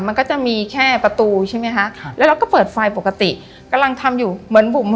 มันก็จะมีแค่ประตูใช่ไหมคะครับแล้วเราก็เปิดไฟปกติกำลังทำอยู่เหมือนบุ๋ม